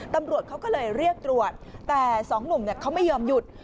ตำรวจเขาก็เลยเรียกตรวจแต่สองหนุ่มเขาไม่ยอมหยุด